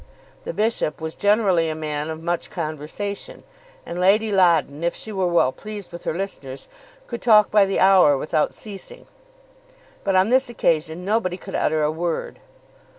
The bishop was generally a man of much conversation, and Lady Loddon, if she were well pleased with her listeners, could talk by the hour without ceasing. But on this occasion nobody could utter a word.